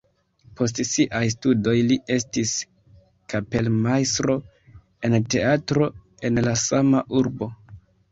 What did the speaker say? Post siaj studoj li estis kapelmajstro en teatro en la sama urbo.